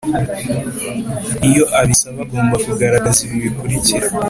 iyo abisaba agomba kugaragaza ibi bikurikira